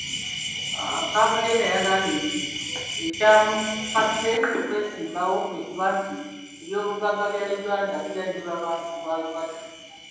Kabuleeta agambye nti ebyamukase okwesimbawo kwe kuba nti ebyobugagga bya Uganda biganyula abantu balubatu.